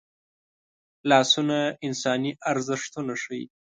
لاسونه انساني ارزښتونه ښيي